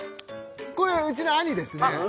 これはうちの兄ですね